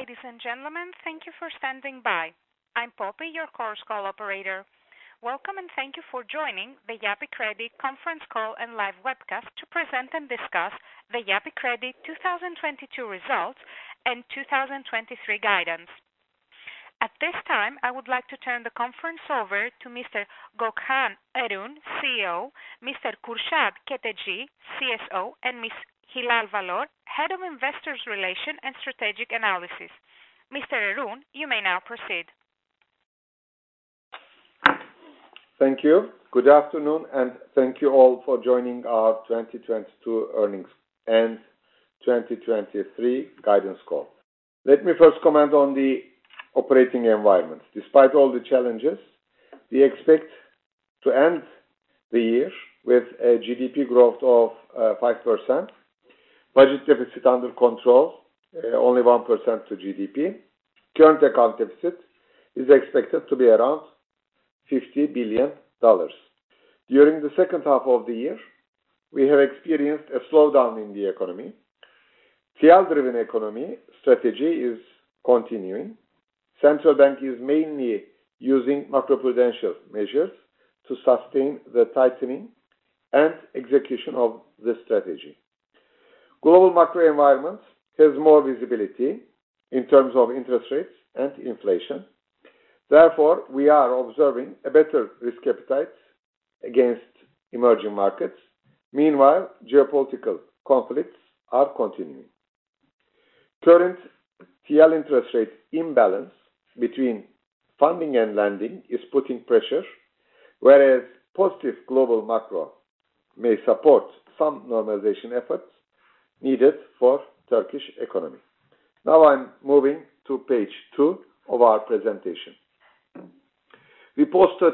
Ladies and gentlemen, thank you for standing by. I'm Poppy, your conference call operator. Welcome, and thank you for joining the Yapı Kredi conference call and live webcast to present and discuss the Yapı Kredi 2022 results and 2023 guidance. At this time, I would like to turn the conference over to Mr. Gökhan Erün, CEO, Mr. Kürşad Keteci, CSO, and Ms. Hilal Varol, Head of Investors Relations and Strategic Analysis. Mr. Erün, you may now proceed. Thank you. Good afternoon, and thank you all for joining our 2022 earnings and 2023 guidance call. Let me first comment on the operating environment. Despite all the challenges, we expect to end the year with a GDP growth of 5%. Budget deficit under control, only 1% to GDP. Current account deficit is expected to be around $50 billion. During the second half of the year, we have experienced a slowdown in the economy. TL-driven economy strategy is continuing. Central bank is mainly using Macroprudential measures to sustain the tightening and execution of this strategy. Global macro environment has more visibility in terms of interest rates and inflation. Therefore, we are observing a better risk appetite against emerging markets. Meanwhile, geopolitical conflicts are continuing. Current TL interest rate imbalance between funding and lending is putting pressure, whereas positive global macro may support some normalization efforts needed for Turkish economy. I'm moving to page two of our presentation. We posted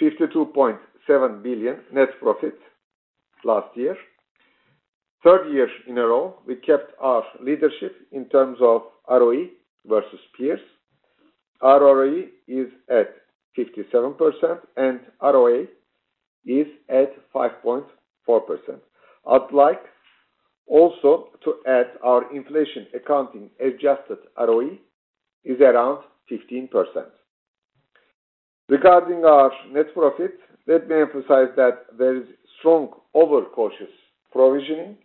52.7 billion net profit last year. Third year in a row, we kept our leadership in terms of ROE versus peers. Our ROE is at 57% and ROA is at 5.4%. I'd like also to add our inflation accounting adjusted ROE is around 15%. Regarding our net profit, let me emphasize that there is strong overcautious provisioning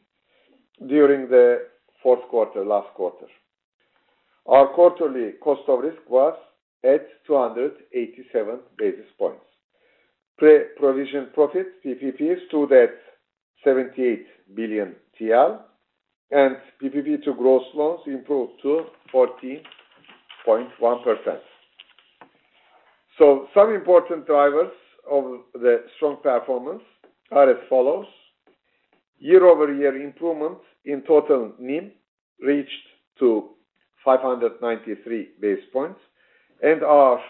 during the fourth quarter, last quarter. Our quarterly cost of risk was at 287 basis points. Pre-provision profit, PPP, stood at 78 billion TL, and PPP to gross loans improved to 14.1%. Some important drivers of the strong performance are as follows. Year-over-year improvement in total NIM reached to 593 basis points. Our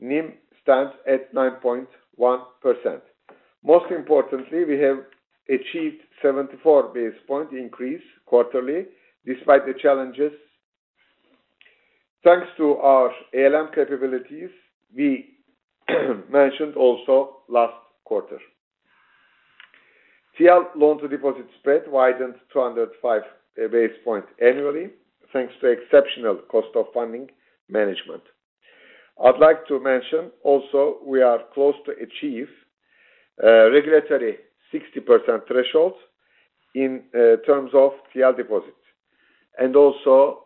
NIM stands at 9.1%. Most importantly, we have achieved 74 basis point increase quarterly despite the challenges, thanks to our ALM capabilities we mentioned also last quarter. TL loan-to-deposit spread widened 205 basis points annually, thanks to exceptional cost of funding management. I'd like to mention also we are close to achieve regulatory 60% thresholds in terms of TL deposits. Also,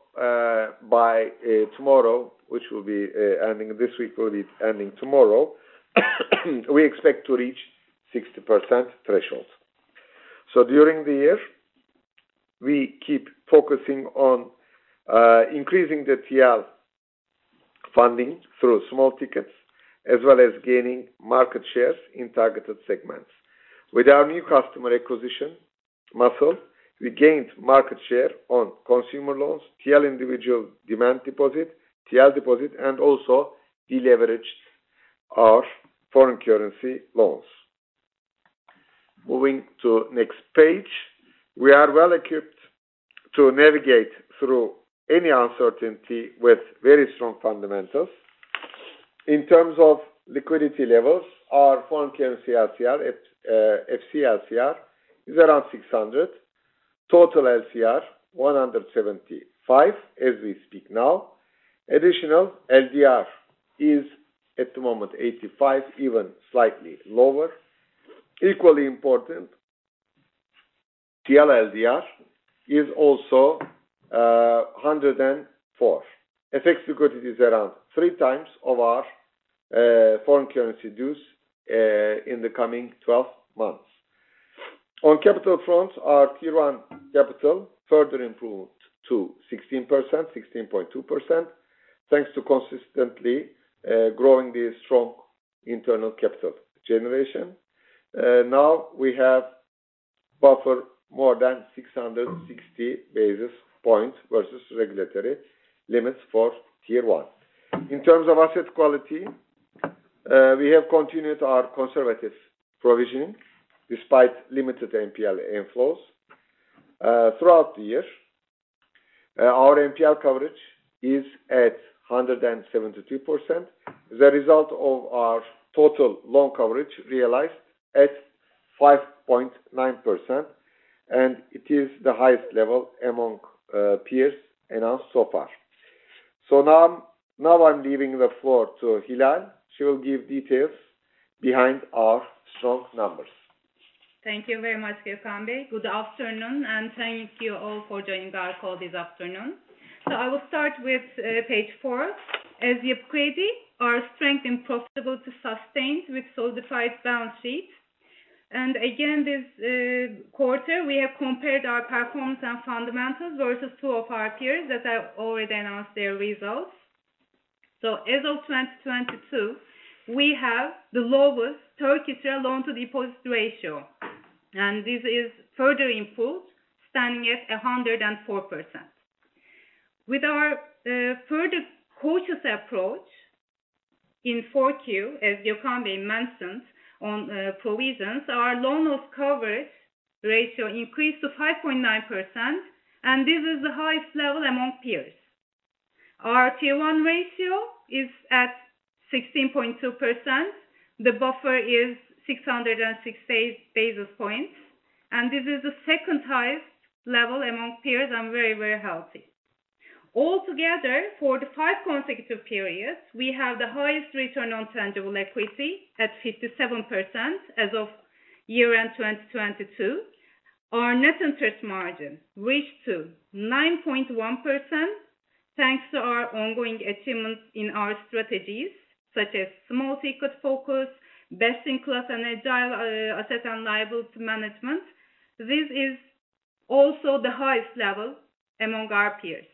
by tomorrow, which will be ending this week or the ending tomorrow, we expect to reach 60% thresholds. During the year, we keep focusing on increasing the TL funding through small tickets, as well as gaining market shares in targeted segments. With our new customer acquisition muscle, we gained market share on consumer loans, TL individual demand deposit, TL deposit, and also deleveraged our foreign currency loans. Moving to next page. We are well equipped to navigate through any uncertainty with very strong fundamentals. In terms of liquidity levels, our foreign currency LCR at FC LCR is around 600. Total LCR, 175 as we speak now. Additional LDR is at the moment 85, even slightly lower. Equally important, TL LDR is also 104. Effects to good is around 3x of our foreign currency dues in the coming 12 months. On capital front, our Tier 1 capital further improved to 16%, 16.2%, thanks to consistently growing the strong internal capital generation. Now we have buffer more than 660 basis points versus regulatory limits for Tier 1. In terms of asset quality, we have continued our conservative provisioning despite limited NPL inflows throughout the year. Our NPL coverage is at 172%. The result of our total loan coverage realized at 5.9%, and it is the highest level among peers announced so far. Now I'm leaving the floor to Hilal. She will give details behind our strong numbers. Thank you very much, Gökhan Erün. Good afternoon, and thank you all for joining our call this afternoon. I will start with page four. As you have quoted, our strength and profitable to sustained with solidified balance sheet. Again, this quarter, we have compared our performance and fundamentals versus two of our peers that have already announced their results. As of 2022, we have the lowest Turkish loan-to-deposit ratio, and this is further improved, standing at 104%. With our further cautious approach in 4Q, as Gökhan Erün mentioned, on provisions, our loan loss coverage ratio increased to 5.9%, and this is the highest level among peers. Our Tier 1 ratio is at 16.2%. The buffer is 606 basis points, and this is the second-highest level among peers and very, very healthy. All together, for the five consecutive periods, we have the highest return on tangible equity at 57% as of year-end 2022. Our net interest margin reached to 9.1%, thanks to our ongoing achievements in our strategies, such as small ticket focus, best-in-class and agile asset and liability management. This is also the highest level among our peers.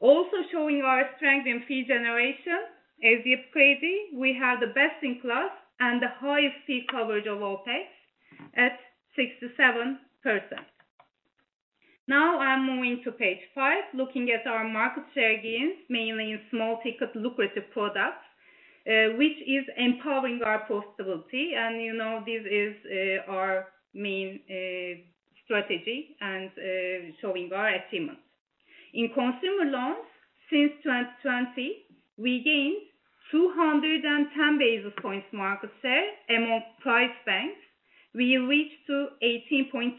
Also showing our strength in fee generation, as you have quoted, we have the best-in-class and the highest fee coverage of OpEx at 67%. Now I am moving to page five, looking at our market share gains, mainly in small ticket lucrative products, which is empowering our profitability. You know, this is our main strategy and showing our achievements. In consumer loans, since 2020, we gained 210 basis points market share among private banks. We reached to 18.2%.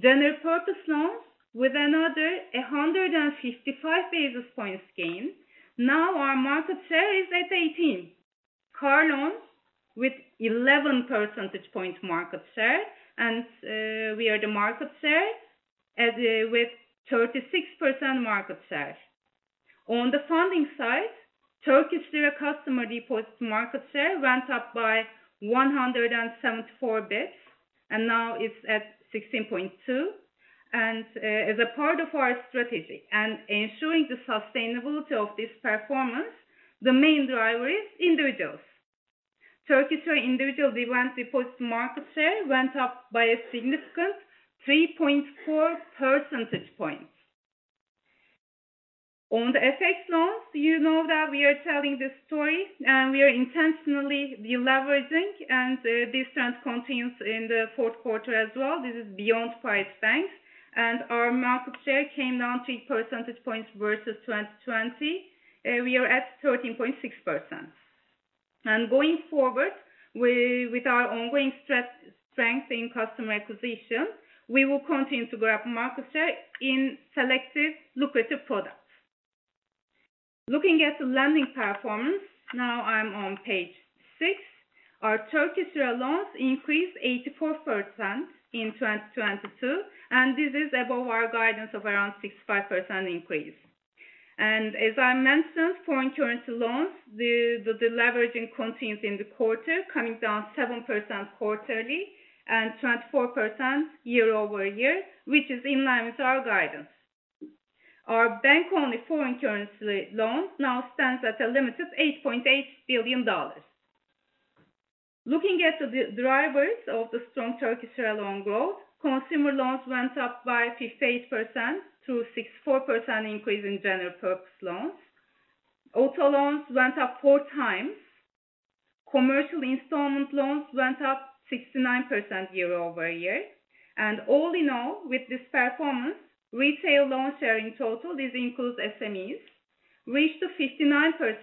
General purpose loans with another 155 basis points gain. Now our market share is at 18%. Car loans with 11 percentage point market share and with 36% market share. On the funding side, Turkish Lira customer deposits market share went up by 174 bps, and now it's at 16.2%. As a part of our strategy and ensuring the sustainability of this performance, the main driver is individuals. Turkish Lira individual demand deposits market share went up by a significant 3.4 percentage points. On the FX loans, you know that we are telling the story. We are intentionally de-leveraging, and this trend continues in the fourth quarter as well. This is beyond private banks, and our market share came down three percentage points versus 2020. We are at 13.6%. Going forward with our ongoing strength in customer acquisition, we will continue to grab market share in selective lucrative products. Looking at the lending performance, now I'm on page six. Our Turkish Lira loans increased 84% in 2022, and this is above our guidance of around 65% increase. As I mentioned, foreign currency loans, the de-leveraging continues in the quarter, coming down 7% quarterly and 24% year-over-year, which is in line with our guidance. Our bank-only foreign currency loan now stands at a limited $8.8 billion. Looking at the drivers of the strong Turkish Lira loan growth, consumer loans went up by 58% through 64% increase in general purpose loans. Auto loans went up 4x. Commercial installment loans went up 69% year-over-year. All in all, with this performance, retail loans share in total, this includes SMEs, reached to 59%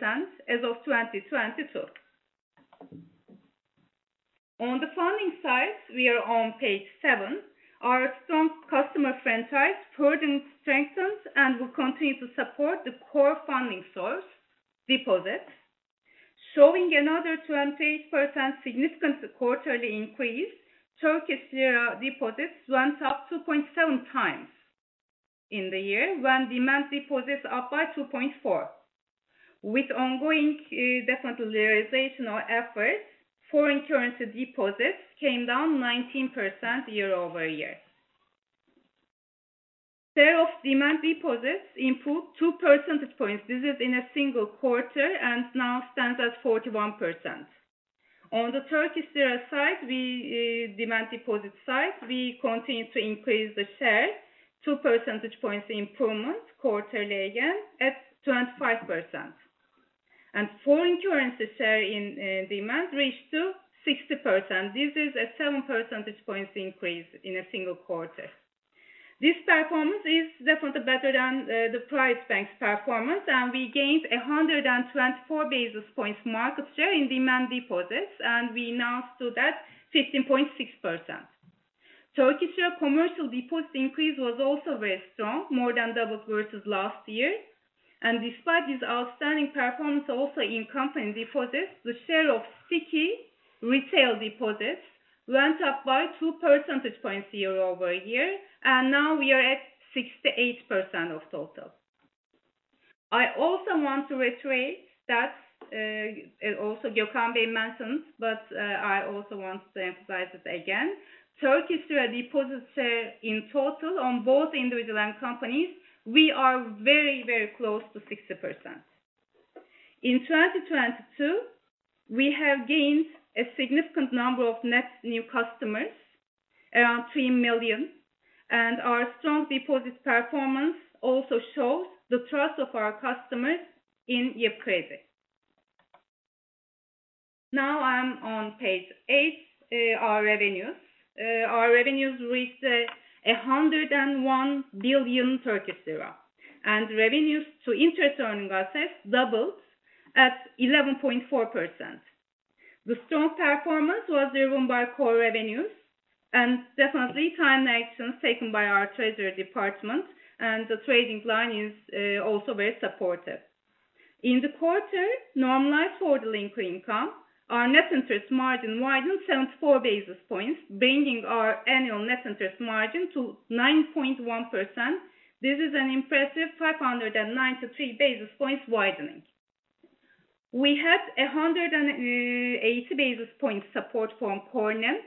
as of 2022. On the funding side, we are on page seven, our strong customer franchise further strengthens and will continue to support the core funding source deposit. Showing another 28% significant quarterly increase, Turkish Lira deposits went up 2.7x in the year, when demand deposits up by 2.4x. With ongoing deposit realization or effort, foreign currency deposits came down 19% year-over-year. Share of demand deposits improved two percentage points. This is in a single quarter and now stands at 41%. On the Turkish Lira side, we demand deposit side, we continue to increase the share two percentage points improvement quarterly again at 25%. Foreign currency share in demand reached to 60%. This is a seven percentage points increase in a single quarter. This performance is definitely better than the private bank's performance, we gained 124 basis points market share in demand deposits, we now stood at 15.6%. Turkish commercial deposit increase was also very strong, more than double versus last year. Despite this outstanding performance also in company deposits, the share of sticky retail deposits went up by two percentage points year-over-year, now we are at 68% of total. I also want to reiterate that, also Gökhan mentioned, but I also want to emphasize it again. Turkish deposit share in total on both individual and companies, we are very, very close to 60%. In 2022, we have gained a significant number of net new customers, around 3 million, and our strong deposit performance also shows the trust of our customers in Yapı Kredi. Now I'm on page eight, our revenues. Our revenues reached 101 billion Turkish lira. Revenues to interest earning assets doubled at 11.4%. The strong performance was driven by core revenues and definitely time actions taken by our treasury department and the trading line is also very supportive. In the quarter, normalized for the linker income, our net interest margin widened 74 basis points, bringing our annual net interest margin to 9.1%. This is an impressive 593 basis points widening. We had 180 basis points support from core net,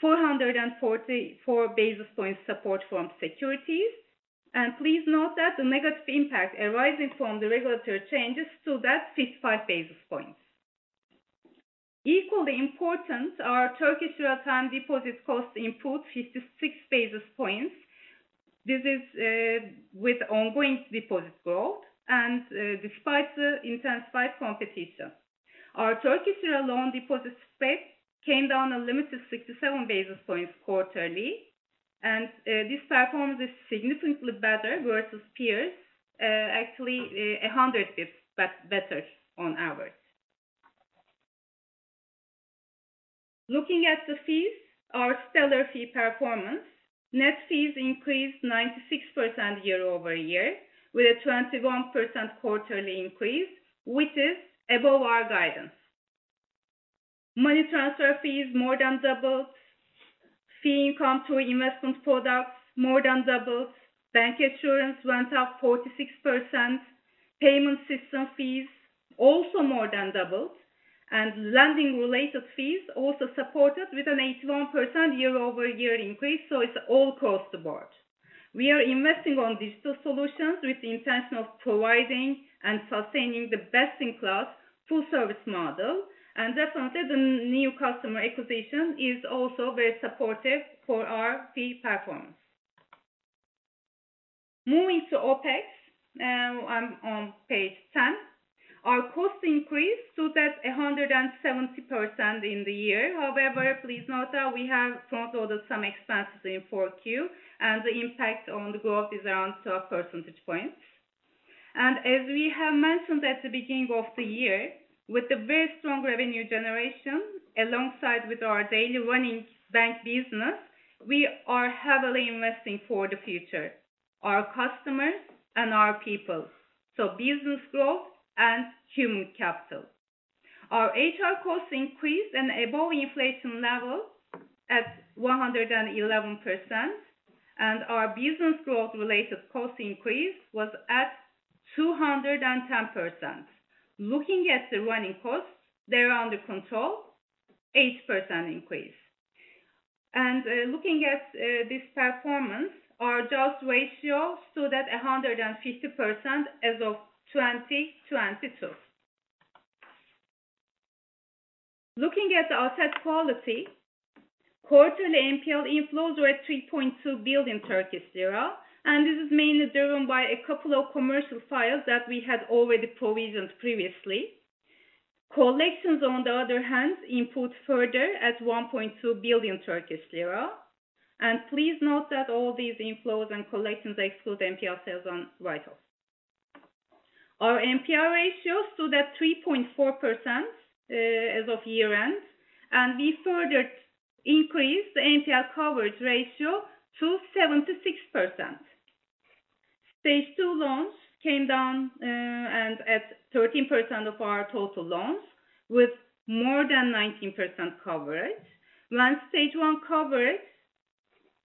444 basis points support from securities. Please note that the negative impact arising from the regulatory changes stood at 55 basis points. Equally important, our Turkish Lira time deposit cost improved 56 basis points. This is with ongoing deposit growth and despite the intensified competition. Our Turkish Lira loan deposit spread came down a limited 67 basis points quarterly. This performance is significantly better versus peers. Actually 100 bps, but better on average. Looking at the fees, our stellar fee performance. Net fees increased 96% year-over-year with a 21% quarterly increase, which is above our guidance. Money transfer fees more than doubled. Fee income through investment products more than doubled. Bank insurance went up 46%. Payment system fees also more than doubled. Lending related fees also supported with an 81% year-over-year increase. It's all across the board. We are investing on digital solutions with the intention of providing and sustaining the best-in-class full service model. Definitely, the new customer acquisition is also very supportive for our fee performance. Moving to OpEx, I'm on page 10. Our cost increased to that 170% in the year. However, please note that we have front-loaded some expenses in 4Q, and the impact on the growth is around two percentage points. As we have mentioned at the beginning of the year, with the very strong revenue generation, alongside with our daily running bank business, we are heavily investing for the future, our customers and our people. Business growth and human capital. Our HR costs increased and above inflation level at 111%, and our business growth related cost increase was at 210%. Looking at the running costs, they're under control, 8% increase. Looking at this performance, our debt ratio stood at 150% as of 2022. Looking at the asset quality, quarterly NPL inflows were at 3.2 billion Turkish lira, and this is mainly driven by a couple of commercial files that we had already provisioned previously. Collections, on the other hand, improved further at 1.2 billion Turkish lira. Please note that all these inflows and collections exclude NPL sales on write-off. Our NPL ratio stood at 3.4% as of year-end. We further increased the NPL coverage ratio to 76%. Stage 2 loans came down and at 13% of our total loans with more than 19% coverage. While Stage 1 coverage,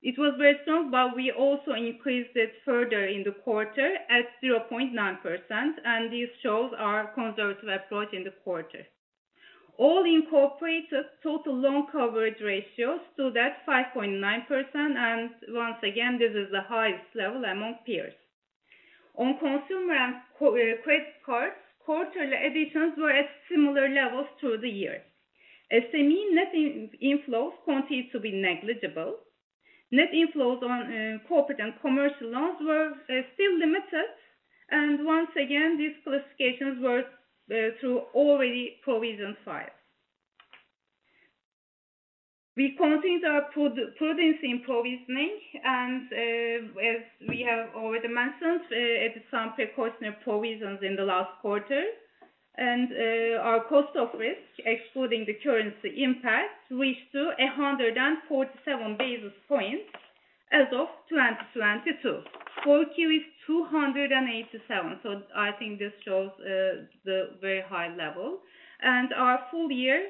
it was very strong, but we also increased it further in the quarter at 0.9%, and this shows our conservative approach in the quarter. All incorporated total loan coverage ratio stood at 5.9%, and once again, this is the highest level among peers. On consumer credit cards, quarterly additions were at similar levels through the year. SME net inflows continued to be negligible. Net inflows on corporate and commercial loans were still limited. Once again, these classifications were through already provisioned files. We continue our prudence in provisioning. As we have already mentioned, at some precautionary provisions in the last quarter. Our cost of risk excluding the currency impact reached to 147 basis points as of 2022. 4Q is 287. I think this shows the very high level. Our full year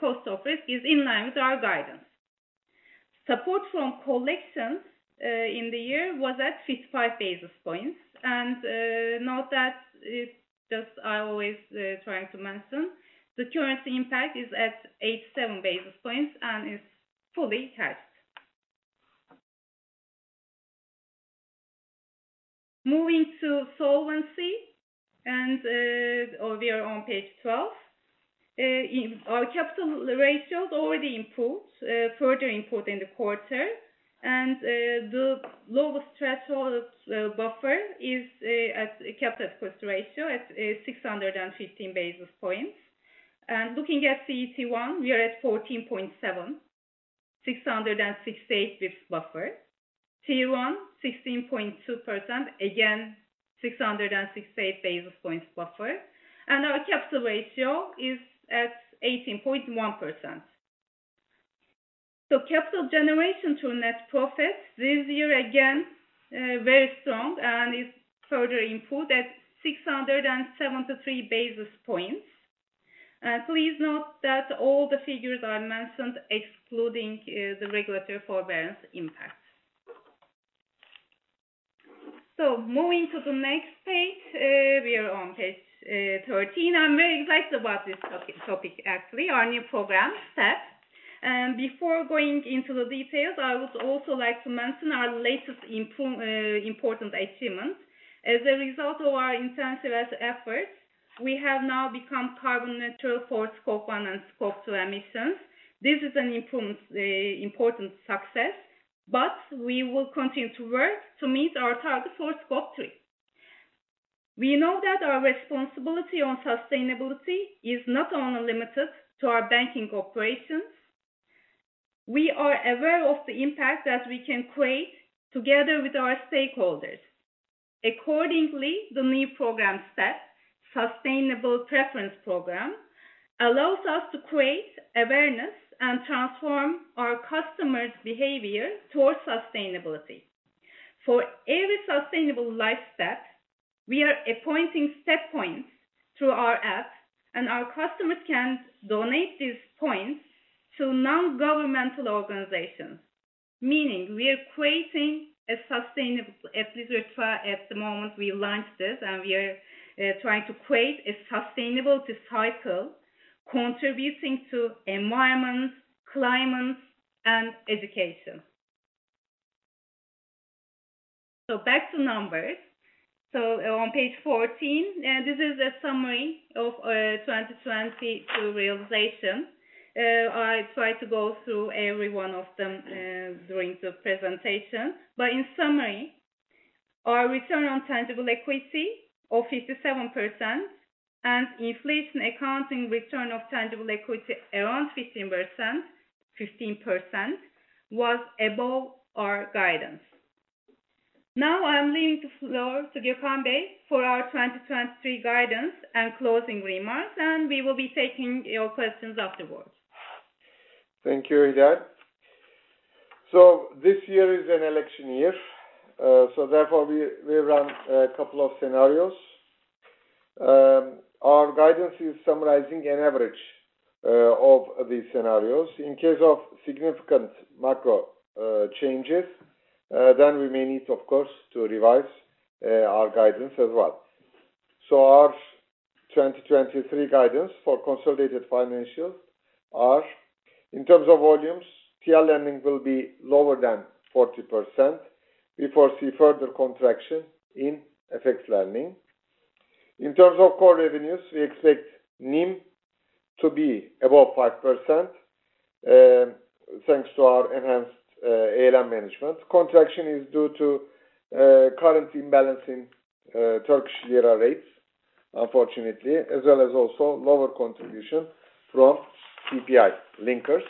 cost of risk is in line with our guidance. Support from collections in the year was at 55 basis points. Note that it's just I always try to mention the currency impact is at 87 basis points and it's fully hedged. Moving to solvency or we are on page 12. In our capital ratios already improved, further improved in the quarter. The lowest threshold buffer is at capital ratio at 615 basis points. Looking at CET1, we are at 14.7, 668 with buffer. Tier 1, 16.2%, again, 668 basis points buffer. Our capital ratio is at 18.1%. Capital generation to net profits this year again, very strong and is further improved at 673 basis points. Please note that all the figures are mentioned excluding the regulatory forbearance impact. Moving to the next page. We are on page 13. I'm very excited about this topic actually, our new program, STEP. Before going into the details, I would also like to mention our latest important achievement. As a result of our intensive efforts, we have now become carbon neutral for Scope 1 and Scope 2 emissions. This is an important success, but we will continue to work to meet our target for Scope 3. We know that our responsibility on sustainability is not only limited to our banking operations. We are aware of the impact that we can create together with our stakeholders. Accordingly, the new program STEP, Sustainable Preference Program, allows us to create awareness and transform our customers' behavior towards sustainability. For every sustainable life step, we are appointing step points through our app, and our customers can donate these points to non-governmental organizations. Meaning we are creating a sustainable at least at the moment we launched this, and we are trying to create a sustainable disciple contributing to environment, climate, and education. Back to numbers. On page 14, this is a summary of 2022 realization. I tried to go through every one of them during the presentation, but in summary, our return on tangible equity of 57% and inflation accounting return of tangible equity around 15% was above our guidance. I'm leaving the floor to Gökhan Erün for our 2023 guidance and closing remarks, we will be taking your questions afterwards. Thank you, Hilal. This year is an election year, therefore we run a couple of scenarios. Our guidance is summarizing an average of these scenarios. In case of significant macro changes, then we may need, of course, to revise our guidance as well. Our 2023 guidance for consolidated financials are: in terms of volumes, TL lending will be lower than 40%. We foresee further contraction in FX lending. In terms of core revenues, we expect NIM to be above 5%, thanks to our enhanced ALM management. Contraction is due to currency imbalance in Turkish Lira rates, unfortunately, as well as also lower contribution from CPI linkers.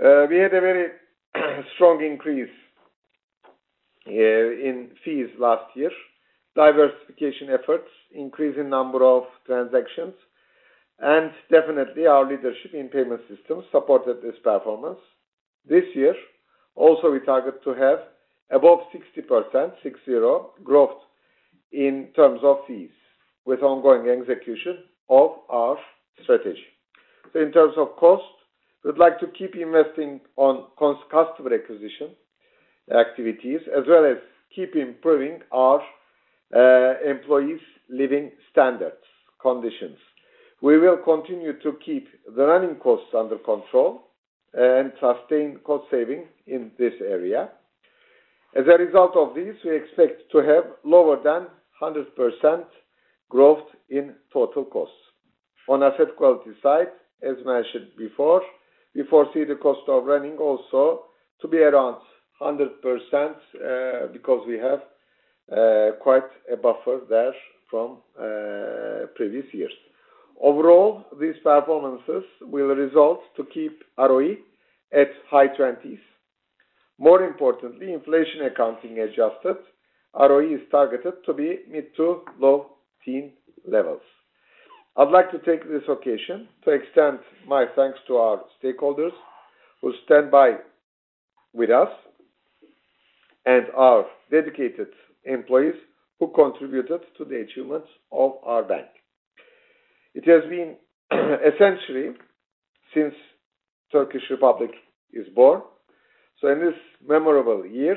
We had a very strong increase in fees last year. Diversification efforts, increase in number of transactions, and definitely our leadership in payment systems supported this performance. This year, also we target to have above 60% growth in terms of fees with ongoing execution of our strategy. So in terms of cost, we'd like to keep investing on customer acquisition activities, as well as keep improving our employees' living standards, conditions. We will continue to keep the running costs under control and sustain cost saving in this area. As a result of this, we expect to have lower than 100% growth in total costs. On asset quality side, as mentioned before, we foresee the cost of risk also to be around 100%, because we have quite a buffer there from previous years. Overall, these performances will result to keep ROE at high 20s. More importantly, inflation accounting adjusted ROE is targeted to be mid to low teen levels. I'd like to take this occasion to extend my thanks to our stakeholders who stand by with us, and our dedicated employees who contributed to the achievements of our bank. It has been a century since Turkish Republic is born. In this memorable year,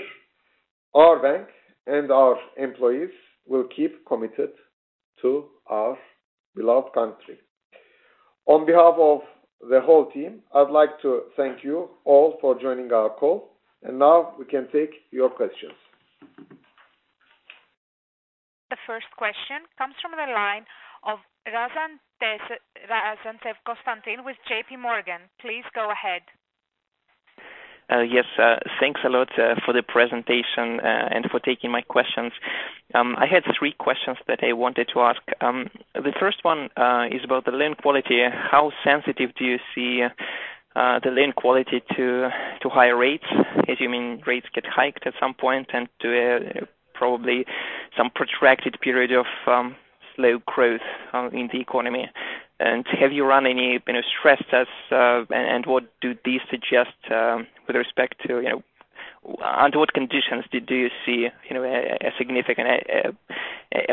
our bank and our employees will keep committed to our beloved country. On behalf of the whole team, I'd like to thank you all for joining our call. Now we can take your questions. The first question comes from the line of Konstantin Rozantsev with JPMorgan. Please go ahead. Yes, thanks a lot for the presentation and for taking my questions. I had three questions that I wanted to ask. The first one is about the loan quality. How sensitive do you see the loan quality to higher rates, assuming rates get hiked at some point and to probably some protracted period of slow growth in the economy? Have you run any, you know, stress tests, and what do these suggest with respect to, you know, under what conditions do you see a significant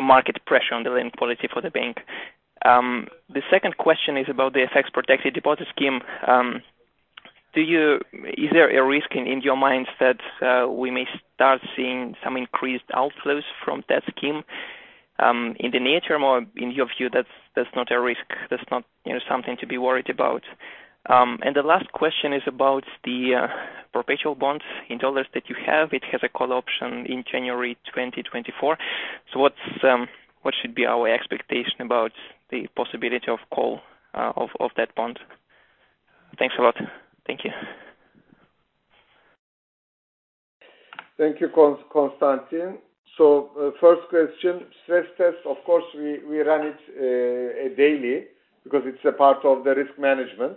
market pressure on the loan quality for the bank? The second question is about the FX-protected deposit scheme. Is there a risk in your mind that we may start seeing some increased outflows from that scheme in the near-term, or in your view, that's not a risk, that's not, you know, something to be worried about? The last question is about the perpetual bonds in dollars that you have. It has a call option in January 2024. What should be our expectation about the possibility of call of that bond? Thanks a lot. Thank you. Thank you, Constantin. First question. Stress test, of course we run it daily because it's a part of the risk management.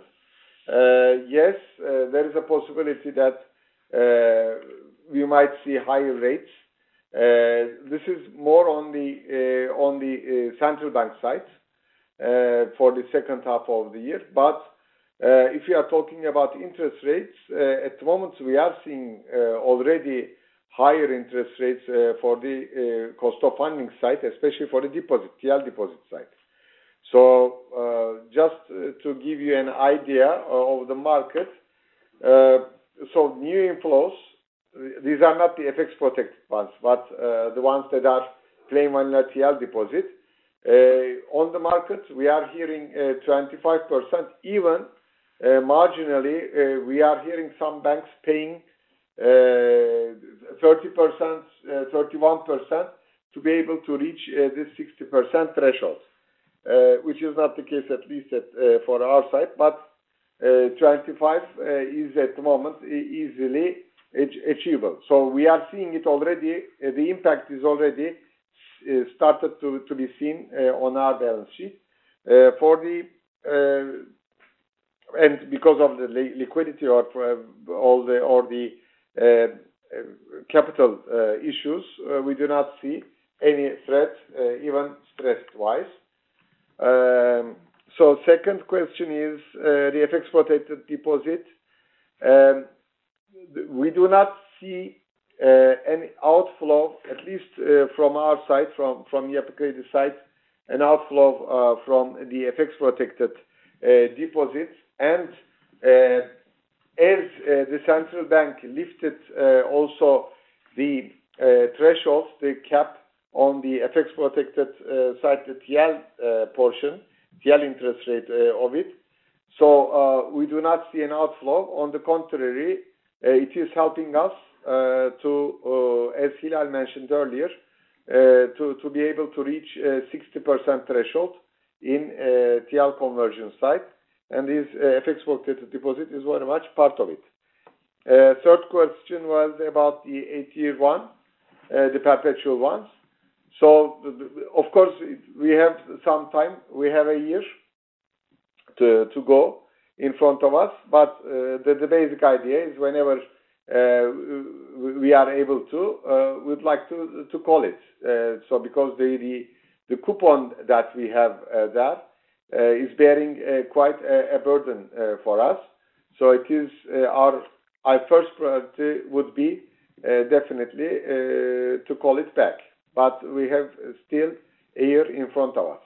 Yes, there is a possibility that we might see higher rates. This is more on the on the central bank side for the second half of the year. If you are talking about interest rates, at the moment we are seeing already higher interest rates for the cost of funding side, especially for the deposit, TL deposit side. Just to give you an idea of the market. New inflows, these are not the FX protected ones, but the ones that are claiming a TL deposit. On the market, we are hearing 25% even, marginally, we are hearing some banks paying 30%, 31% to be able to reach this 60% threshold, which is not the case, at least for our side. 25% is at the moment easily achievable. We are seeing it already. The impact is already started to be seen on our balance sheet. Because of the liquidity or for all the capital issues, we do not see any threat, even stress-wise. Second question is the FX-protected deposit. We do not see any outflow, at least, from our side, from the application side, an outflow, from the FX-protected deposits. As the central bank lifted, also the thresholds, the cap on the FX-protected side, the TL portion, TL interest rate, of it. We do not see an outflow. On the contrary, it is helping us, as Hilal mentioned earlier, to be able to reach a 60% threshold in a TL conversion site. This FX-protected deposit is very much part of it. Third question was about the AT1, the perpetual ones. Of course, we have some time, we have a year to go in front of us. The basic idea is whenever we are able to, we'd like to call it. Because the coupon that we have, that is bearing quite a burden for us. It is our first priority would be definitely to call it back. We have still a year in front of us.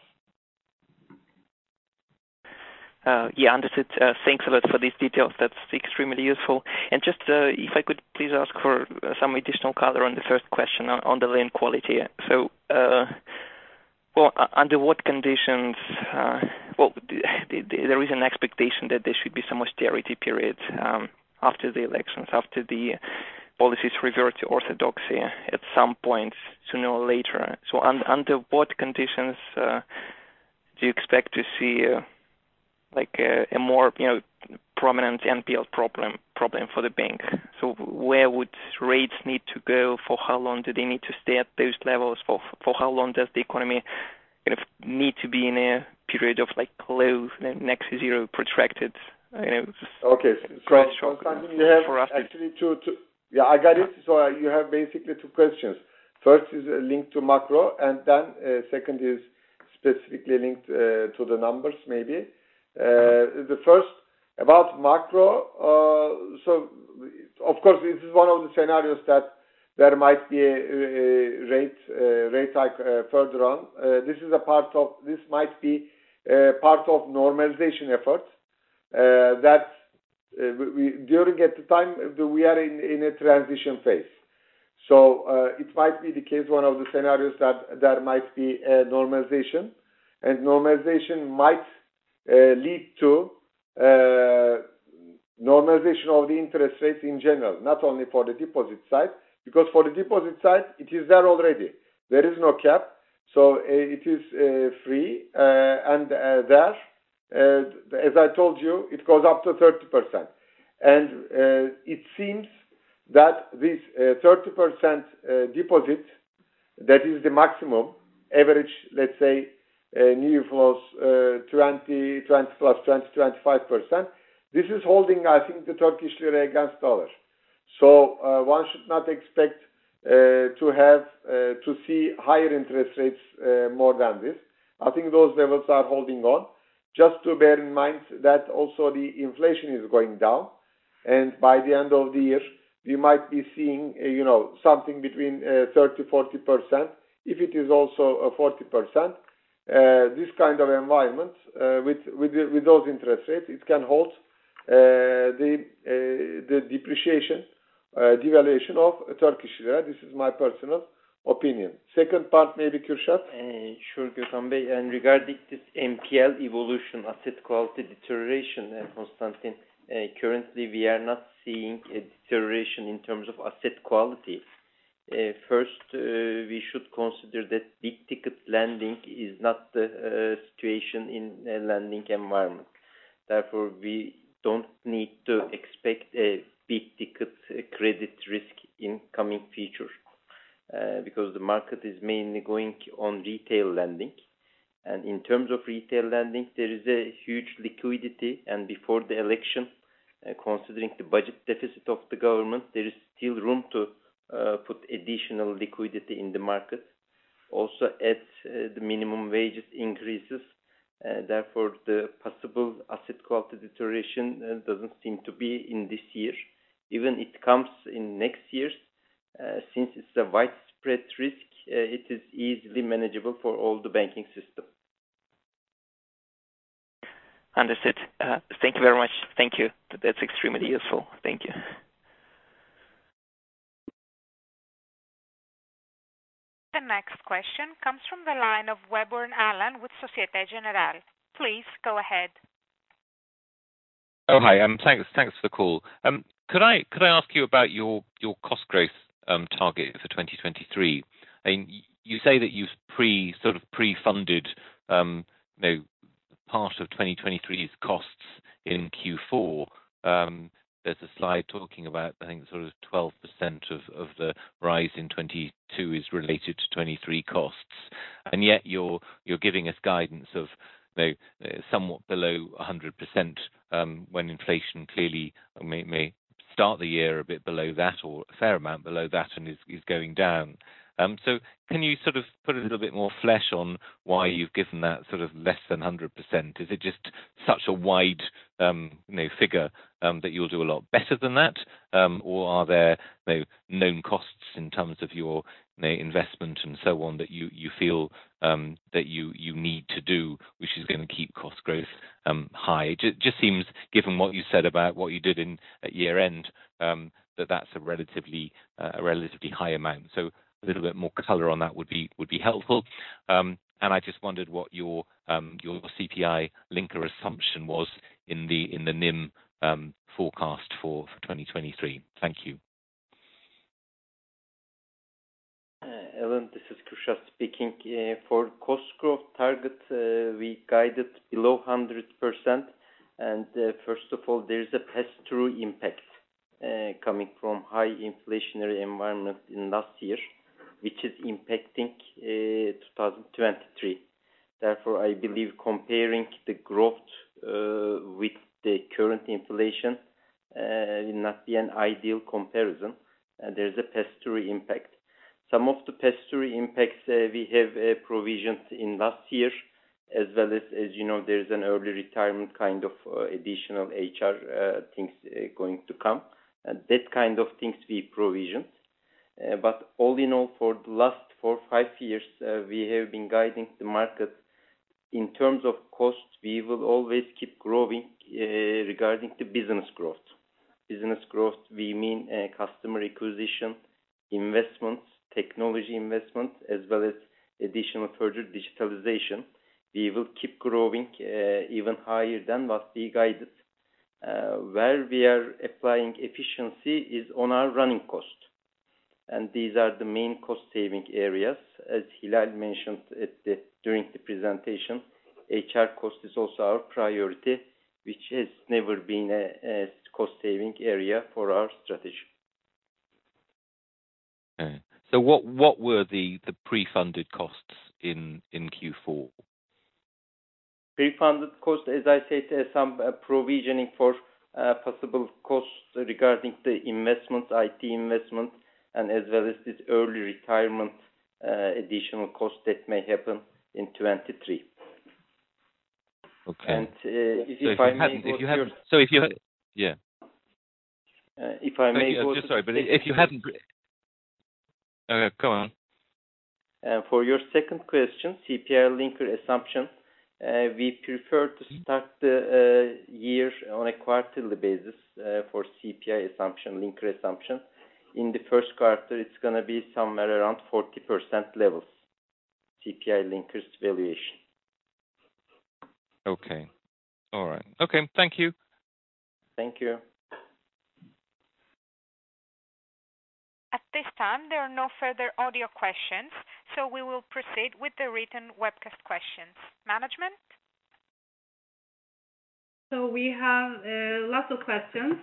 Yeah. Understood. Thanks a lot for these details. That's extremely useful. Just, if I could please ask for some additional color on the first question on the loan quality. Under what conditions, there is an expectation that there should be some austerity period after the elections, after the policies revert to orthodoxy at some point sooner or later. Under what conditions, do you expect to see like a more, you know, prominent NPL problem for the bank. Where would rates need to go? For how long do they need to stay at those levels? For how long does the economy kind of need to be in a period of like low next to zero protracted? Actually two. Yeah, I got it. You have basically two questions. First is linked to macro, and then, second is specifically linked to the numbers maybe. The first, about macro, of course, this is one of the scenarios that there might be a rate hike further on. This might be part of normalization efforts that we are in a transition phase. It might be the case, one of the scenarios that there might be a normalization. Normalization might lead to normalization of the interest rates in general, not only for the deposit side. Because for the deposit side, it is there already. There is no cap, so it is free. There, as I told you, it goes up to 30%. It seems that this 30% deposit, that is the maximum average, let's say, new flows, 20%+, 25%. This is holding, I think, the Turkish Lira against dollar. One should not expect to have to see higher interest rates more than this. I think those levels are holding on. Just to bear in mind that also the inflation is going down, and by the end of the year, we might be seeing, you know, something between 30%, 40%. If it is also 40%, this kind of environment, with the, with those interest rates, it can hold the depreciation, devaluation of Turkish Lira. This is my personal opinion. Second part maybe, Kürşad Keteci. Sure, Gürsan. Regarding this NPL evolution, asset quality deterioration, Konstantin, currently we are not seeing a deterioration in terms of asset quality. First, we should consider that big ticket lending is not the situation in the lending environment. Therefore, we don't need to expect a big ticket credit risk in coming future, because the market is mainly going on retail lending. In terms of retail lending, there is a huge liquidity. Before the election, considering the budget deficit of the government, there is still room to put additional liquidity in the market. Also as the minimum wages increases, therefore the possible asset quality deterioration doesn't seem to be in this year. Even it comes in next years, since it's a widespread risk, it is easily manageable for all the banking system. Understood. Thank you very much. Thank you. That's extremely useful. Thank you. The next question comes from the line of Alan Webborn with Société Générale. Please go ahead. Oh, hi. thanks for the call. could I ask you about your cost growth target for 2023? you say that you've sort of pre-funded, you know, part of 2023's costs in Q4. there's a slide talking about, I think, sort of 12% of the rise in 2022 is related to 2023 costs. yet you're giving us guidance of, you know, somewhat below 100% when inflation clearly may start the year a bit below that or a fair amount below that and is going down. can you sort of put a little bit more flesh on why you've given that sort of less than 100%? Is it just such a wide, you know, figure that you'll do a lot better than that? Or are there, you know, known costs in terms of your, you know, investment and so on that you feel that you need to do, which is gonna keep cost growth high? Just seems, given what you said about what you did in, at year-end, that that's a relatively, a relatively high amount. A little bit more color on that would be helpful. I just wondered what your CPI linker assumption was in the NIM forecast for 2023. Thank you. Alan, this is Kürşad speaking. For cost growth target, we guided below 100%. First of all, there is a pass-through impact coming from high inflationary environment in last year, which is impacting 2023. Therefore, I believe comparing the growth with the current inflation will not be an ideal comparison. There is a pass-through impact. Some of the pass-through impacts we have provisions in last year, as well as you know, there is an early retirement kind of additional HR things going to come. That kind of things we provisioned. All in all, for the last four, five years, we have been guiding the market. In terms of costs, we will always keep growing regarding the business growth. Business growth, we mean, customer acquisition, investments, technology investment, as well as additional further digitalization. We will keep growing, even higher than what we guided. Where we are applying efficiency is on our running costs. These are the main cost saving areas. As Hilal mentioned at the, during the presentation, HR cost is also our priority, which has never been a cost saving area for our strategy. Okay. What were the pre-funded costs in Q4? Pre-funded costs, as I said, some provisioning for possible costs regarding the investments, IT investments, and as well as this early retirement additional cost that may happen in 2023. Sorry. Okay, go on. For your second question, CPI linker assumption, we prefer to start the year on a quarterly basis for CPI assumption, linker assumption. In the first quarter, it's gonna be somewhere around 40% levels, CPI linker's valuation. Okay. All right. Okay, thank you. Thank you. At this time, there are no further audio questions. We will proceed with the written webcast questions. Management. We have lots of questions,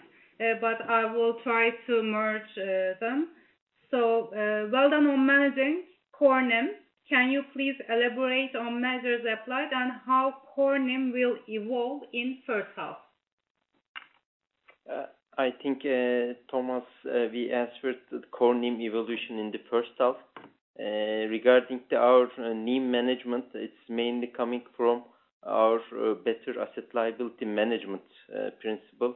but I will try to merge them. Well done on managing core NIM. Can you please elaborate on measures applied and how core NIM will evolve in first half? I think Thomas, we answered the core NIM evolution in the first half. Regarding to our NIM management, it's mainly coming from our better asset liability management principle.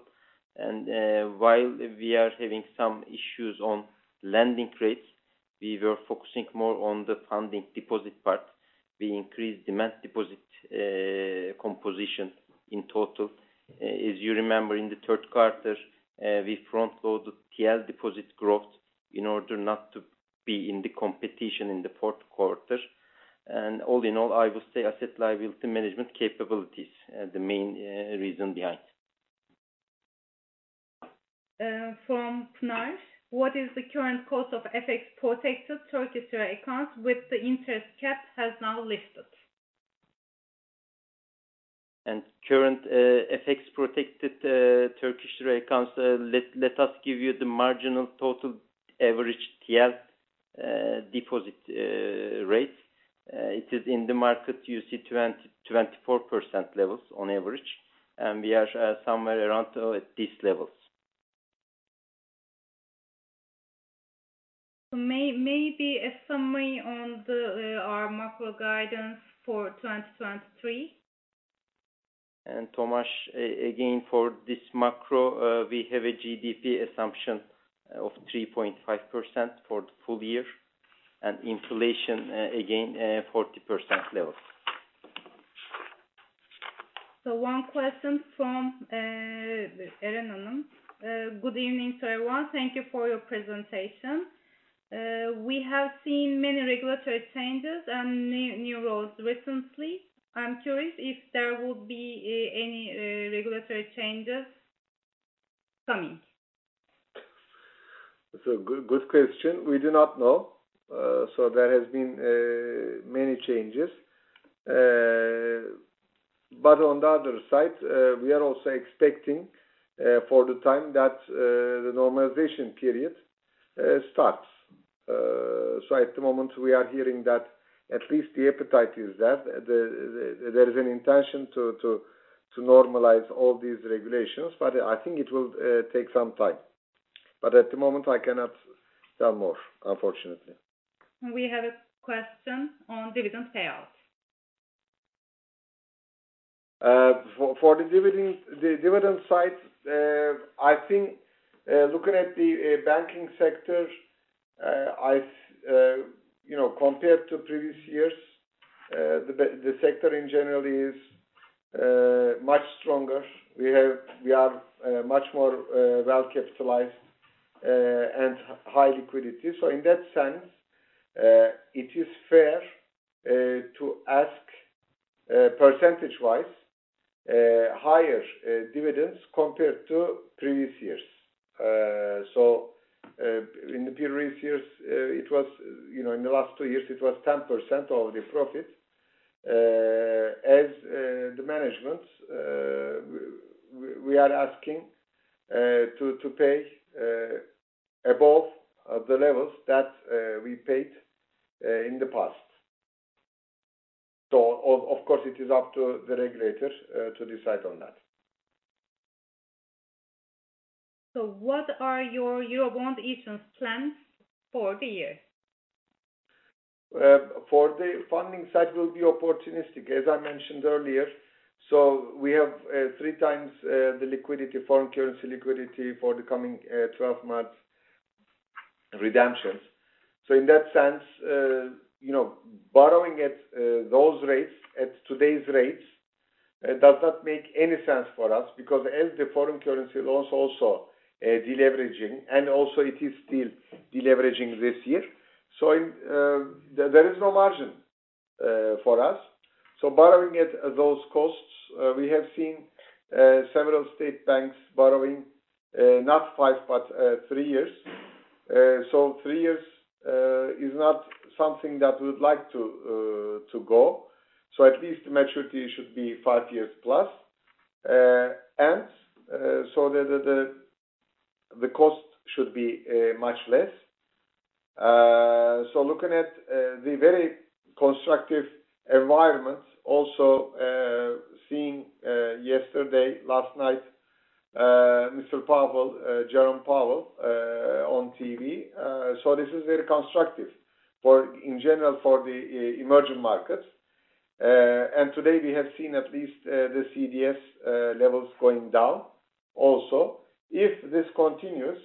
While we are having some issues on lending rates, we were focusing more on the funding deposit part. We increased demand deposit composition in total. As you remember, in the third quarter, we front-loaded TL deposit growth in order not to be in the competition in the fourth quarter. All in all, I would say asset liability management capabilities are the main reason behind. From [Punash]. What is the current cost of FX protected Turkish Lira accounts with the interest cap has now lifted? Current FX protected Turkish Lira accounts, let us give you the marginal total average TL deposit rate. It is in the market, you see 20%-24% levels on average, and we are somewhere around at these levels. May be a summary on our macro guidance for 2023. Thomas, again, for this macro, we have a GDP assumption of 3.5% for the full year and inflation, again, 40% levels. One question from Erin Hanım. Good evening to everyone. Thank you for your presentation. We have seen many regulatory changes and new roles recently. I'm curious if there will be any regulatory changes coming. It's a good question. We do not know. There has been many changes. On the other side, we are also expecting for the time that the normalization period starts. At the moment we are hearing that at least the appetite is that the there is an intention to normalize all these regulations, but I think it will take some time. At the moment, I cannot say more, unfortunately. We have a question on dividend payouts. For the dividend side, I think, looking at the banking sector, you know, compared to previous years, the sector in general is much stronger. We are much more well capitalized and high liquidity. In that sense, it is fair to ask percentage-wise higher dividends compared to previous years. In the previous years, it was, you know, in the last two years it was 10% of the profit. As the management, we are asking to pay above the levels that we paid in the past. Of course it is up to the regulators to decide on that. What are your Eurobond issuance plans for the year? For the funding side will be opportunistic, as I mentioned earlier. We have 3x the liquidity, foreign currency liquidity for the coming 12 months redemptions. In that sense, you know, borrowing at those rates, at today's rates, does not make any sense for us because as the foreign currency loans also deleveraging, and also it is still deleveraging this year. There is no margin for us. Borrowing at those costs, we have seen several state banks borrowing not five, but three years. Three years is not something that we'd like to go. At least maturity should be five years plus. The cost should be much less. Looking at the very constructive environment also, seeing yesterday, last night, Mr. Powell, Jerome Powell, on TV. This is very constructive for in general for the emerging markets. Today we have seen at least the CDS levels going down also. If this continues,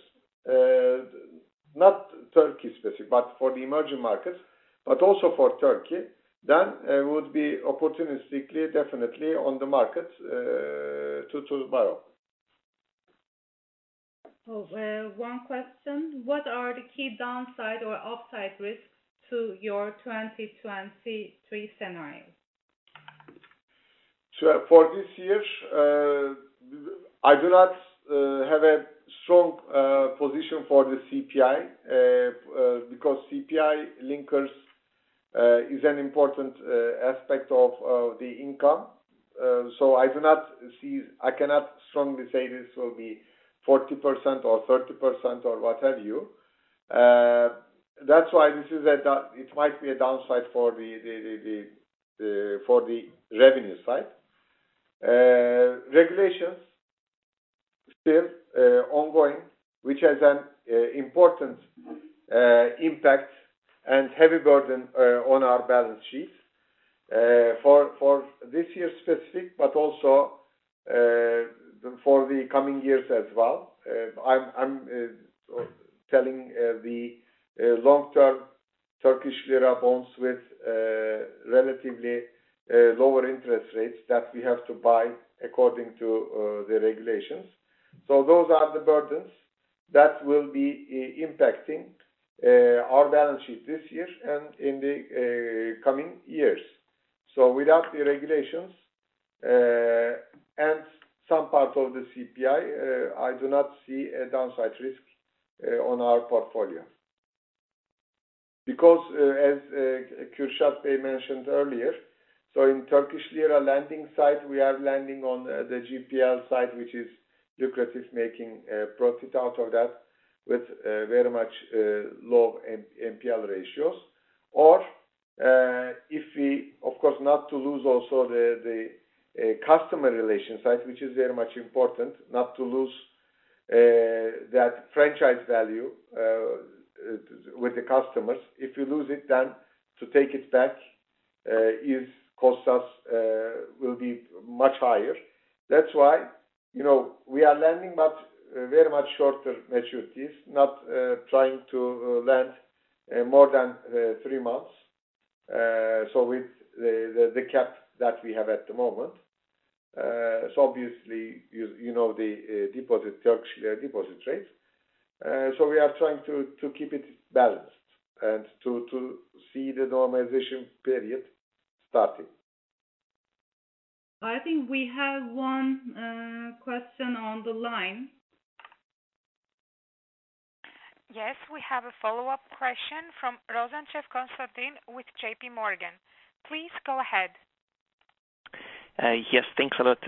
not Turkey specific, but for the emerging markets, but also for Turkey, then would be opportunistically definitely on the market to borrow. One question: what are the key downside or upside risks to your 2023 scenario? For this year, I do not have a strong position for the CPI, because CPI linkers is an important aspect of the income. I cannot strongly say this will be 40% or 30% or what have you. That's why it might be a downside for the revenue side. Regulations still ongoing, which has an important impact and heavy burden on our balance sheet for this year specific, but also for the coming years as well. I'm telling the long-term Turkish Lira bonds with relatively lower interest rates that we have to buy according to the regulations. Those are the burdens that will be impacting our balance sheet this year and in the coming years. Without the regulations and some part of the CPI, I do not see a downside risk on our portfolio. As Kursat mentioned earlier, in Turkish Lira lending side, we are lending on the GPL side, which is lucrative, making profit out of that with very much low NPL ratios. If we of course not to lose also the customer relation side, which is very much important. Not to lose that franchise value with the customers. If you lose it, to take it back is cost us will be much higher. That's why, you know, we are lending but very much shorter maturities, not, trying to lend more than three months, so with the cap that we have at the moment. Obviously, you know the deposit, Turkish Lira deposit rates. We are trying to keep it balanced and to see the normalization period starting. I think we have one question on the line. Yes, we have a follow-up question from Konstantin Rozantsev with JPMorgan. Please go ahead. Yes, thanks a lot.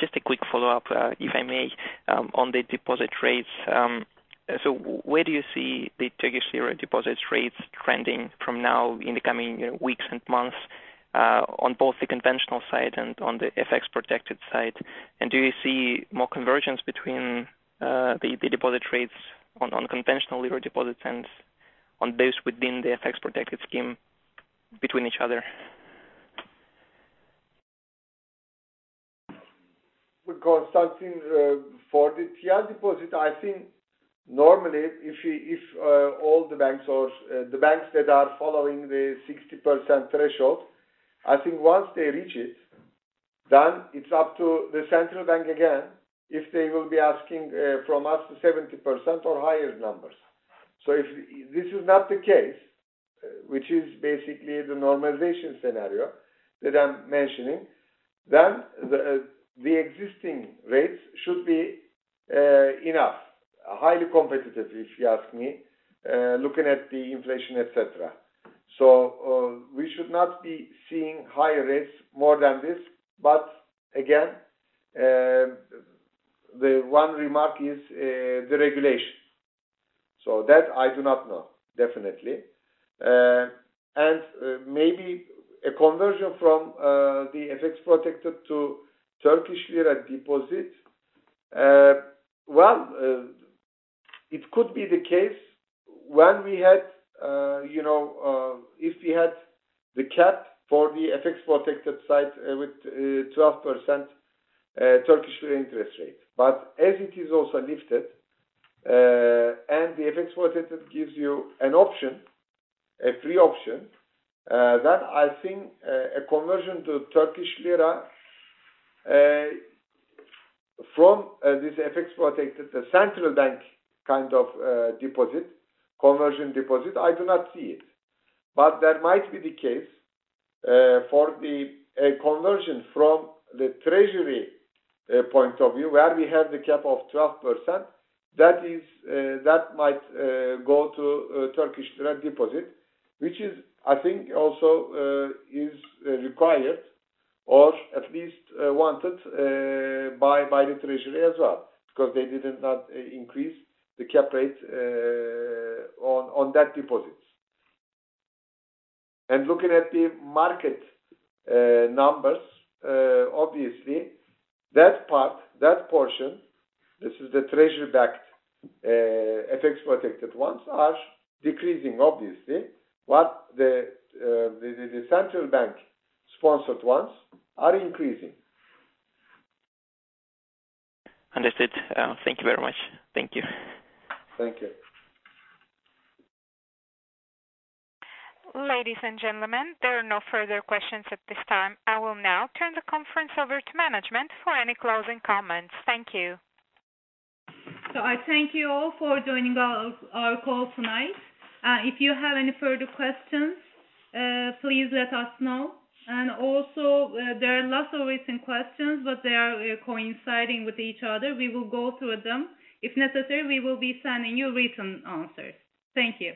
Just a quick follow-up, if I may, on the deposit rates. Where do you see the Turkish Lira deposit rates trending from now in the coming, you know, weeks and months, on both the conventional side and on the FX Protected side? Do you see more convergence between the deposit rates on unconventional Lira deposit and on those within the FX Protected scheme between each other? Something for the TL deposit, I think normally, if all the banks or the banks that are following the 60% threshold, I think once they reach it, then it's up to the central bank again if they will be asking from us 70% or higher numbers. If this is not the case, which is basically the normalization scenario that I'm mentioning, then the existing rates should be enough. Highly competitive, if you ask me, looking at the inflation, etc. We should not be seeing higher rates more than this. Again, the one remark is the regulation. That I do not know, definitely. Maybe a conversion from the FX-protected to Turkish Lira deposit. It could be the case when we had if we had the cap for the FX-protected side with 12% Turkish interest rate. As it is also lifted, and the FX-protected gives you an option, a free option, that I think a conversion to Turkish Lira from this FX-protected, the Central Bank kind of deposit, conversion deposit, I do not see it. That might be the case for the conversion from the Treasury point of view, where we have the cap of 12%. That might go to a Turkish Lira deposit, which is, I think also, is required or at least wanted by the Treasury as well. They did not increase the cap rate on that deposits. Looking at the market numbers, obviously that part, that portion, this is the treasury backed FX-protected ones are decreasing obviously. The central bank sponsored ones are increasing. Understood. Thank you very much. Thank you. Thank you. Ladies and gentlemen, there are no further questions at this time. I will now turn the conference over to management for any closing comments. Thank you. I thank you all for joining our call tonight. If you have any further questions, please let us know. Also, there are lots of recent questions, but they are coinciding with each other. We will go through them. If necessary, we will be sending you written answers. Thank you.